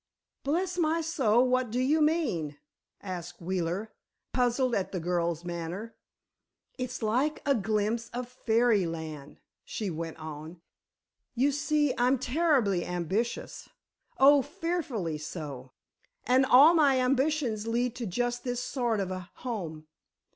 "Bless my soul, what do you mean?" asked Wheeler, puzzled at the girl's manner. "It's like a glimpse of Fairyland," she went on. "You see, I'm terribly ambitious—oh, fearfully so! And all my ambitions lead to just this sort of a home.